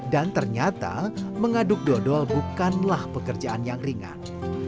dan ternyata mengaduk dodol bukanlah pekerjaan yang ringan